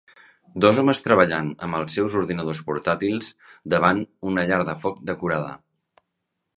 Dos homes treballant amb els seus ordinadors portàtils davant una llar de foc decorada